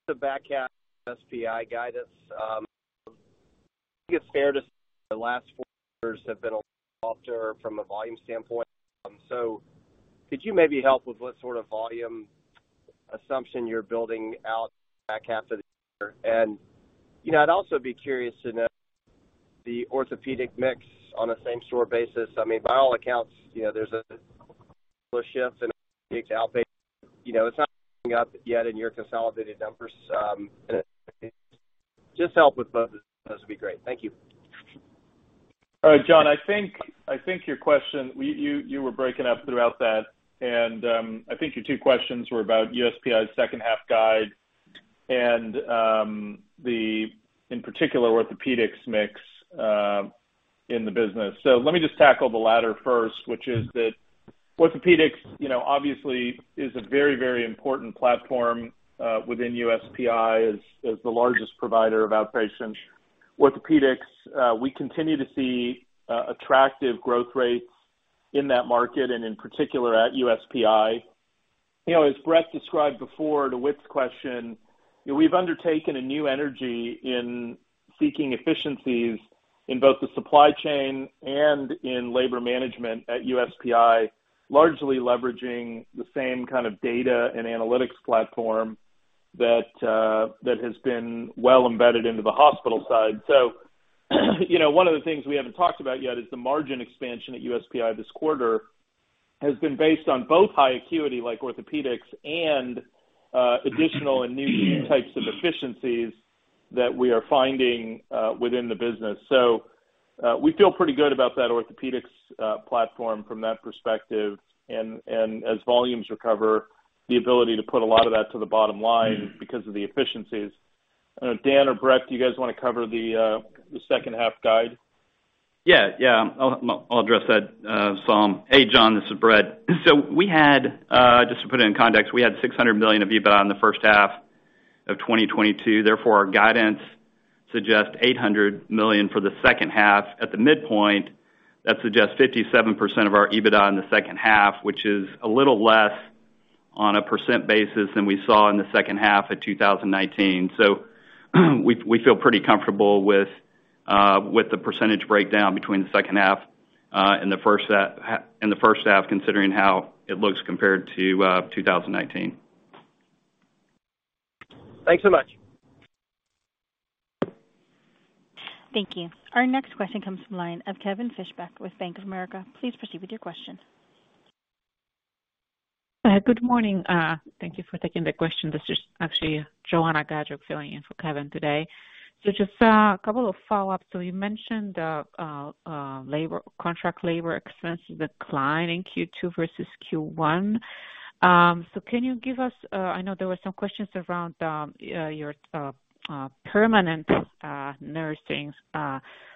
The back half of USPI guidance, I think it's fair to say the last four years have been a little softer from a volume standpoint. Could you maybe help with what sort of volume assumption you're building out back half of the year? You know, I'd also be curious to know the orthopedic mix on a same-store basis. I mean, by all accounts, you know, there's a couple of shifts in the outpatient. You know, it's not showing up yet in your consolidated numbers. Just help with both. That'd be great. Thank you. All right, John, I think your question. You were breaking up throughout that, and I think your two questions were about USPI's second half guide and, in particular, orthopedics mix in the business. Let me just tackle the latter first, which is that orthopedics, you know, obviously, is a very, very important platform within USPI as the largest provider of outpatient orthopedics. We continue to see attractive growth rates in that market and in particular at USPI. You know, as Brett described before to Whit's question, we've undertaken a new energy in seeking efficiencies in both the supply chain and in labor management at USPI, largely leveraging the same kind of data and analytics platform that has been well embedded into the hospital side. You know, one of the things we haven't talked about yet is the margin expansion at USPI this quarter has been based on both high acuity like orthopedics and additional and new types of efficiencies that we are finding within the business. We feel pretty good about that orthopedics platform from that perspective, and as volumes recover, the ability to put a lot of that to the bottom line because of the efficiencies. Dan or Brett, do you guys wanna cover the second half guide? Yeah. I'll address that, Saum. Hey, John, this is Brett. We had, just to put it in context, $600 million of EBITDA in the first half of 2022. Therefore, our guidance suggests $800 million for the second half. At the midpoint, that suggests 57% of our EBITDA in the second half, which is a little less on a percent basis than we saw in the second half of 2019. We feel pretty comfortable with the percentage breakdown between the second half and the first half, considering how it looks compared to 2019. Thanks so much. Thank you. Our next question comes from the line of Kevin Fischbeck with Bank of America. Please proceed with your question. Good morning. Thank you for taking the question. This is actually Joanna Gajuk filling in for Kevin today. Just a couple of follow-ups. You mentioned contract labor expense decline in Q2 versus Q1. Can you give us, I know there were some questions around your permanent nursing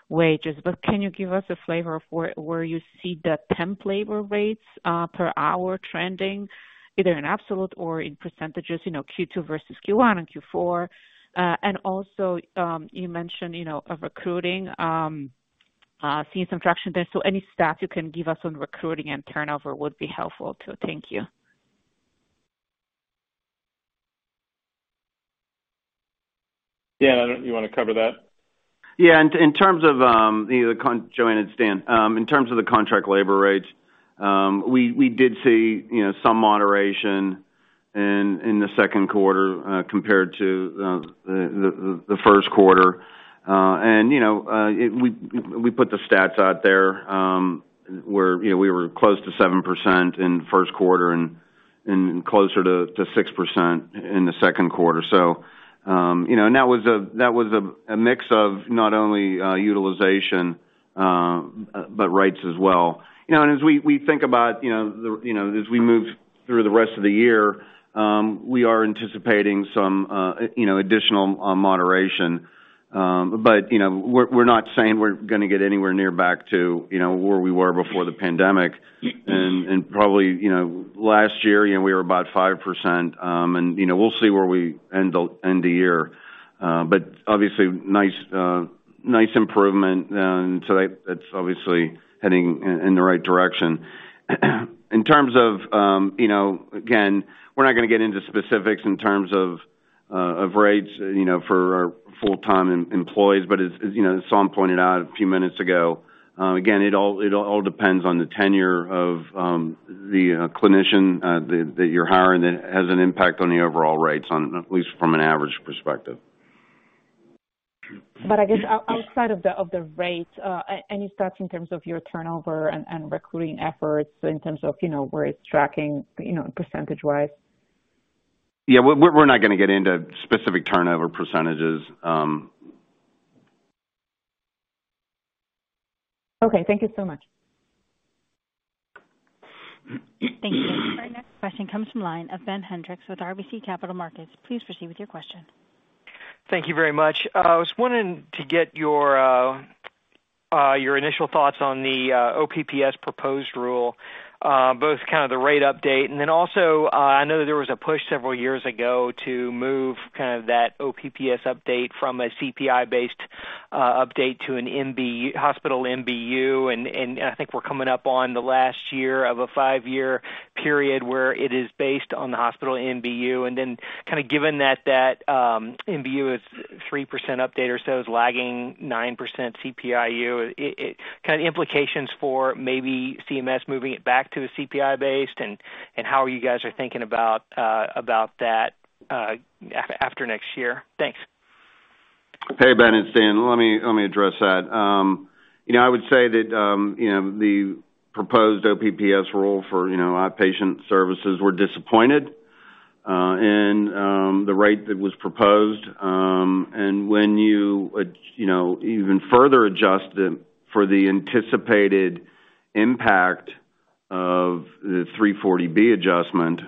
wages, but can you give us a flavor for where you see the temp labor rates per hour trending, either in absolute or in percentages, you know, Q2 versus Q1 and Q4? Also, you mentioned you know recruiting seeing some traction there. Any stats you can give us on recruiting and turnover would be helpful, too. Thank you. Dan, you wanna cover that? Yeah. In terms of, you know, Joanna, it's Dan. In terms of the contract labor rates, we did see, you know, some moderation in the second quarter compared to the first quarter. You know, we put the stats out there, where, you know, we were close to 7% in first quarter and closer to 6% in the second quarter. That was a mix of not only utilization but rates as well. You know, as we think about, you know, as we move through the rest of the year, we are anticipating some additional moderation. You know, we're not saying we're gonna get anywhere near back to, you know, where we were before the pandemic. Probably, you know, last year, you know, we were about 5%. You know, we'll see where we end the year. Obviously nice improvement. That's obviously heading in the right direction. In terms of, you know, again, we're not gonna get into specifics in terms of rates, you know, for our full-time employees. As you know, as Saum pointed out a few minutes ago, again, it all depends on the tenure of the clinician that you're hiring that has an impact on the overall rates at least from an average perspective. I guess outside of the rates, any stats in terms of your turnover and recruiting efforts in terms of, you know, where it's tracking, you know, percentage-wise? Yeah. We're not gonna get into specific turnover percentages. Okay. Thank you so much. Thank you. Our next question comes from line of Ben Hendrix with RBC Capital Markets. Please proceed with your question. Thank you very much. I was wanting to get your, Your initial thoughts on the OPPS proposed rule, both kind of the rate update and then also, I know that there was a push several years ago to move kind of that OPPS update from a CPI-based update to a hospital MBU. I think we're coming up on the last year of a five-year period where it is based on the hospital MBU, and then kind of given that that MBU is 3% update or so is lagging 9% CPI-U, kinda implications for maybe CMS moving it back to a CPI based and how you guys are thinking about that after next year. Thanks. Hey, Ben, it's Dan. Let me address that. You know, I would say that, you know, the proposed OPPS rule for, you know, our patient services. We're disappointed in the rate that was proposed. When you know, even further adjust it for the anticipated impact of the 340B adjustment,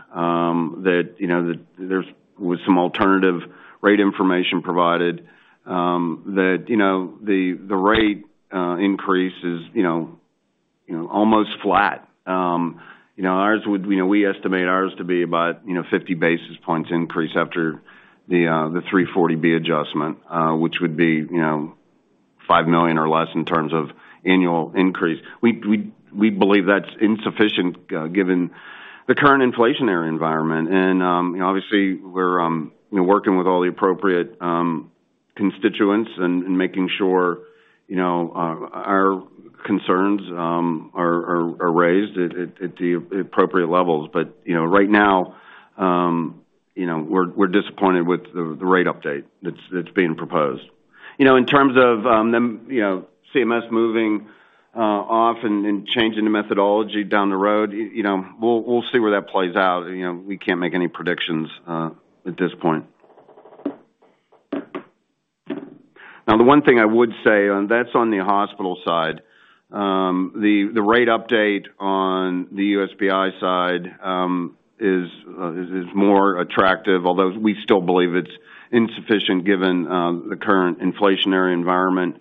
you know, that there was some alternative rate information provided, you know, the rate increase is, you know, almost flat. You know, ours would. We estimate ours to be about, you know, 50 basis points increase after the 340B adjustment, which would be, you know, $5 million or less in terms of annual increase. We believe that's insufficient, given the current inflationary environment. You know, obviously we're working with all the appropriate constituents and making sure our concerns are raised at the appropriate levels. You know, right now we're disappointed with the rate update that's being proposed. You know, in terms of them you know CMS moving off and changing the methodology down the road, you know, we'll see where that plays out. You know, we can't make any predictions at this point. Now, the one thing I would say, and that's on the hospital side, the rate update on the USPI side is more attractive, although we still believe it's insufficient given the current inflationary environment.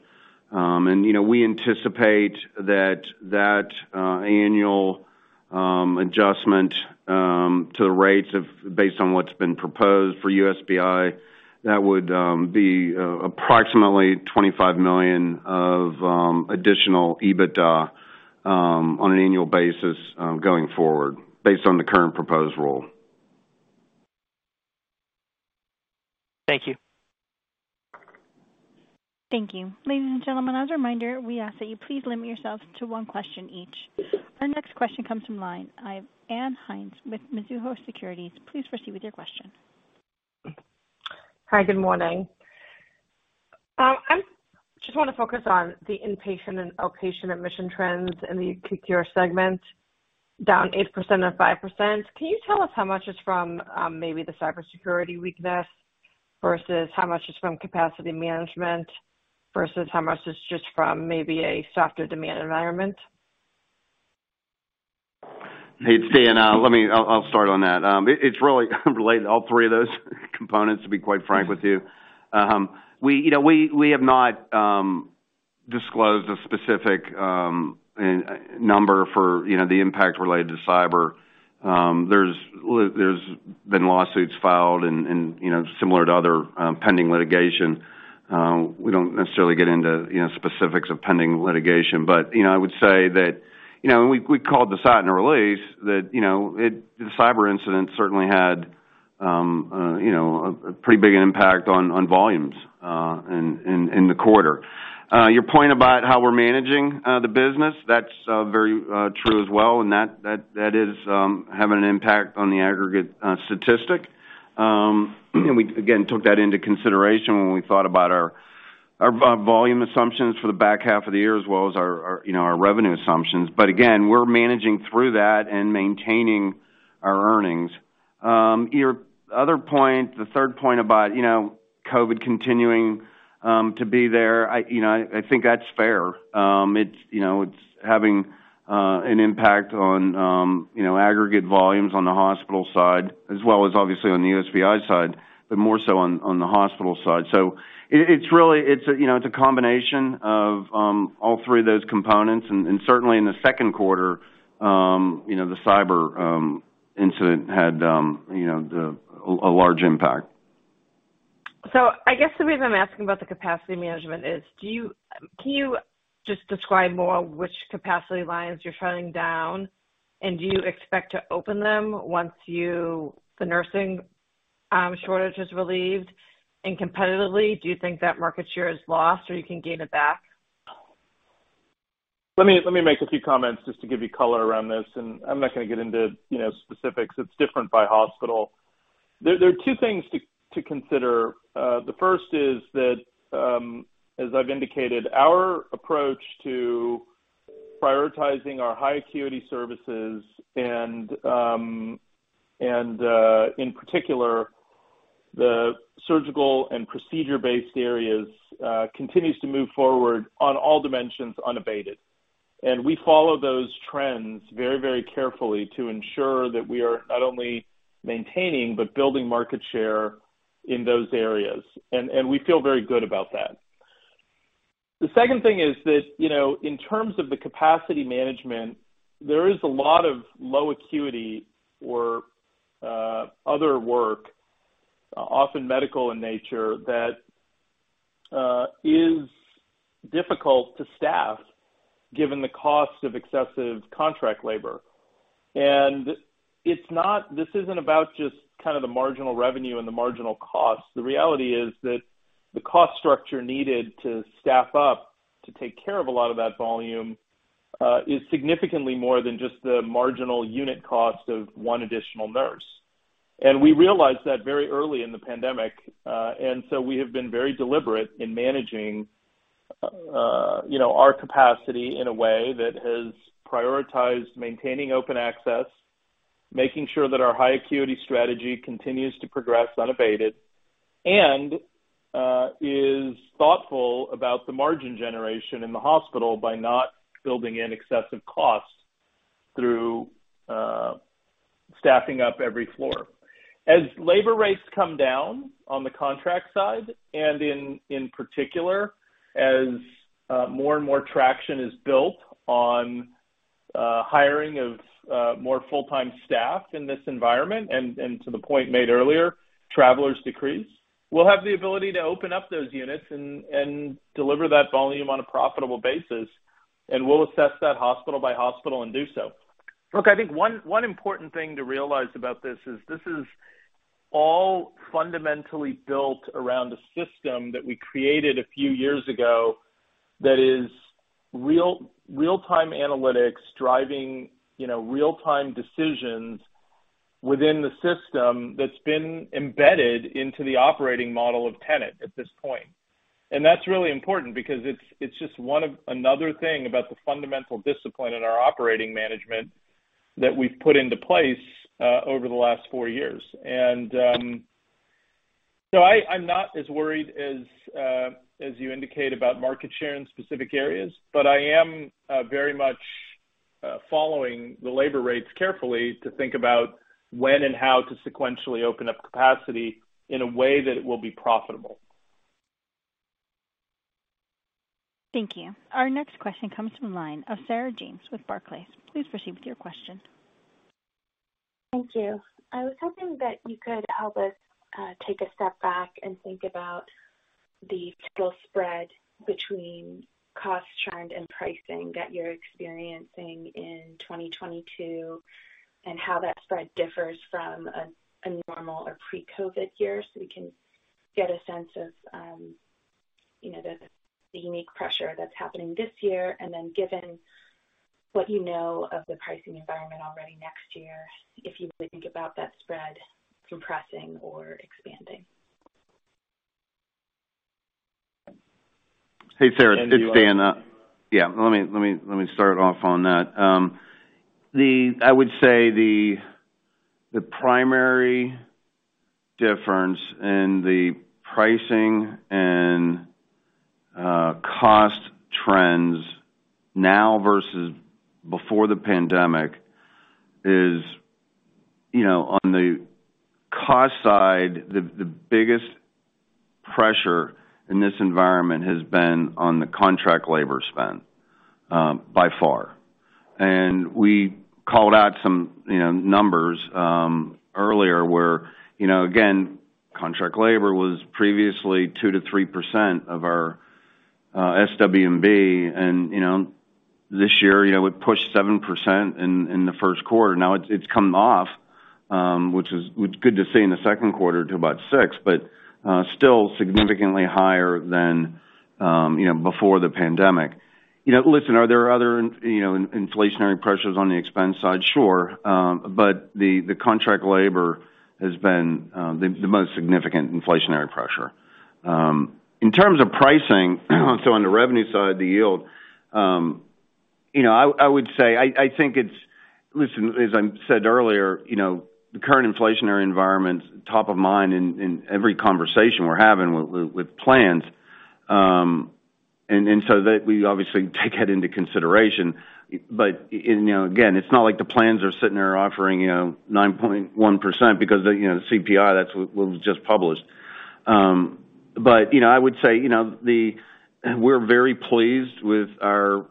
You know, we anticipate that annual adjustment to the rates of based on what's been proposed for USPI would be approximately $25 million of additional EBITDA on an annual basis going forward based on the current proposed rule. Thank you. Thank you. Ladies and gentlemen, as a reminder, we ask that you please limit yourselves to one question each. Our next question comes from line of Ann Hynes with Mizuho Securities. Please proceed with your question. Hi, good morning. I just wanna focus on the inpatient and outpatient admission trends in the hospital segment, down 8% or 5%. Can you tell us how much is from, maybe the cybersecurity weakness versus how much is from capacity management versus how much is just from maybe a softer demand environment? Hey, it's Dan. I'll start on that. It's really related to all three of those components, to be quite frank with you. We have not disclosed a specific number for the impact related to cyber. There's been lawsuits filed and, similar to other pending litigation, we don't necessarily get into specifics of pending litigation. I would say that we called the size in a release that the cyber incident certainly had a pretty big impact on volumes in the quarter. Your point about how we're managing the business, that's very true as well, and that is having an impact on the aggregate statistic. We again took that into consideration when we thought about our volume assumptions for the back half of the year, as well as our, you know, our revenue assumptions. Again, we're managing through that and maintaining our earnings. Your other point, the third point about, you know, COVID continuing to be there, you know, I think that's fair. It's, you know, it's having an impact on, you know, aggregate volumes on the hospital side as well as obviously on the USPI side, but more so on the hospital side. It's really a, you know, it's a combination of all three of those components. Certainly in the second quarter, you know, the cyber incident had, you know, a large impact. I guess the reason I'm asking about the capacity management is, can you just describe more which capacity lines you're shutting down, and do you expect to open them once the nursing shortage is relieved? Competitively, do you think that market share is lost or you can gain it back? Let me make a few comments just to give you color around this, and I'm not gonna get into, you know, specifics. It's different by hospital. There are two things to consider. The first is that, as I've indicated, our approach to prioritizing our high acuity services and in particular the surgical and procedure-based areas continues to move forward on all dimensions unabated. We follow those trends very, very carefully to ensure that we are not only maintaining, but building market share in those areas. We feel very good about that. The second thing is that, you know, in terms of the capacity management, there is a lot of low acuity or, other work, often medical in nature, that, is difficult to staff given the cost of excessive contract labor. This isn't about just kind of the marginal revenue and the marginal cost. The reality is that the cost structure needed to staff up to take care of a lot of that volume, is significantly more than just the marginal unit cost of one additional nurse. We realized that very early in the pandemic, and so we have been very deliberate in managing, you know, our capacity in a way that has prioritized maintaining open access, making sure that our high acuity strategy continues to progress unabated, and is thoughtful about the margin generation in the hospital by not building in excessive costs through staffing up every floor. As labor rates come down on the contract side and in particular, as more and more traction is built on hiring of more full-time staff in this environment, and to the point made earlier, travelers decrease, we'll have the ability to open up those units and deliver that volume on a profitable basis, and we'll assess that hospital by hospital and do so. Look, I think one important thing to realize about this is this is all fundamentally built around a system that we created a few years ago that is real-time analytics driving, you know, real-time decisions within the system that's been embedded into the operating model of Tenet at this point. That's really important because it's just another thing about the fundamental discipline in our operating management that we've put into place over the last four years. I'm not as worried as you indicate about market share in specific areas, but I am very much following the labor rates carefully to think about when and how to sequentially open up capacity in a way that it will be profitable. Thank you. Our next question comes from the line of Sarah James with Barclays. Please proceed with your question. Thank you. I was hoping that you could help us take a step back and think about the typical spread between cost trend and pricing that you're experiencing in 2022, and how that spread differs from a normal or pre-COVID year, so we can get a sense of the unique pressure that's happening this year. Then given what you know of the pricing environment already next year, if you could think about that spread compressing or expanding. Hey, Sarah, it's Dan. Yeah, let me start off on that. I would say the primary difference in the pricing and cost trends now versus before the pandemic is, you know, on the cost side, the biggest pressure in this environment has been on the contract labor spend, by far. We called out some, you know, numbers, earlier where, you know, again, contract labor was previously 2%-3% of our SWB and, you know, this year, you know, it pushed 7% in the first quarter. Now it's come off, which was good to see in the second quarter to about 6%, but still significantly higher than, you know, before the pandemic. You know, listen, are there other, you know, inflation pressures on the expense side? Sure. The contract labor has been the most significant inflationary pressure. In terms of pricing, so on the revenue side, the yield, you know, I would say I think it's. Listen, as I said earlier, you know, the current inflationary environment's top of mind in every conversation we're having with plans. We obviously take that into consideration. You know, again, it's not like the plans are sitting there offering, you know, 9.1% because, you know, the CPI, that's what was just published. You know, I would say, you know, we're very pleased with our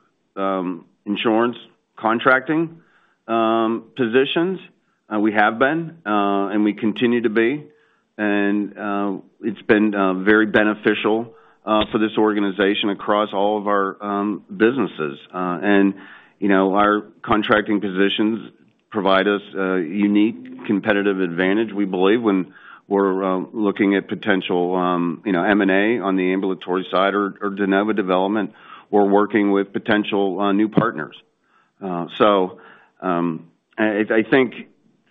insurance contracting positions. We have been, and we continue to be. It's been very beneficial for this organization across all of our businesses. You know, our contracting positions provide us a unique competitive advantage, we believe, when we're looking at potential, you know, M&A on the ambulatory side or de novo development. We're working with potential new partners. I think,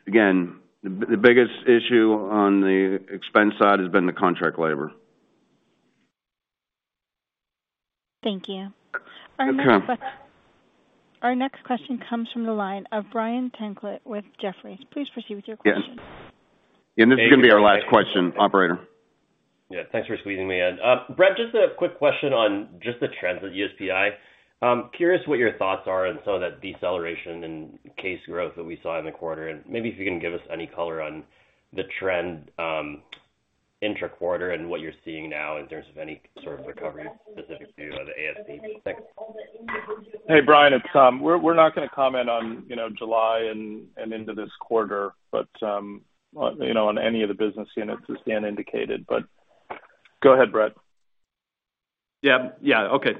again, the biggest issue on the expense side has been the contract labor. Thank you. Okay. Our next question comes from the line of Brian Tanquilut with Jefferies. Please proceed with your question. Yeah. This is gonna be our last question, operator. Yeah. Thanks for squeezing me in. Brett, just a quick question on just the trends at USPI. Curious what your thoughts are on some of that deceleration in case growth that we saw in the quarter, and maybe if you can give us any color on the trend, intra-quarter and what you're seeing now in terms of any sort of recovery specific to the ASC. Thanks? Hey, Brian, we're not gonna comment on, you know, July and into this quarter, but you know, on any of the business units as Dan indicated. Go ahead, Brett. Yeah. Yeah. Okay.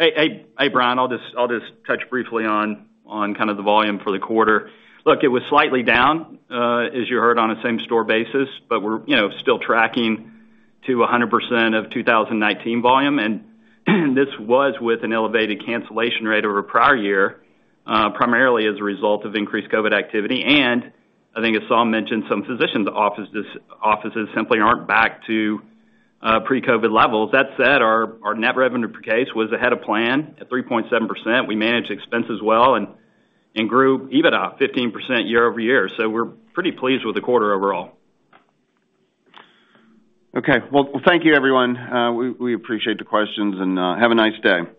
Hey, Brian, I'll just touch briefly on kind of the volume for the quarter. Look, it was slightly down, as you heard, on a same-store basis, but we're, you know, still tracking to 100% of 2019 volume. This was with an elevated cancellation rate over prior year, primarily as a result of increased COVID activity. I think as Saum Sutaria mentioned, some physician's offices simply aren't back to pre-COVID levels. That said, our net revenue per case was ahead of plan at 3.7%. We managed expenses well and grew EBITDA 15% year-over-year. We're pretty pleased with the quarter overall. Okay. Well, thank you, everyone. We appreciate the questions, and have a nice day.